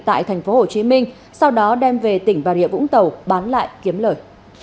tại thành phố hồ chí minh sau đó đem về tỉnh bà rịa vũng tàu bán lại kiếm lời